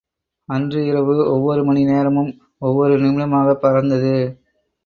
அன்று இரவு, ஒவ்வொரு மணி நேரமும் ஒவ்வொரு நிமிடமாகப் பறந்தது.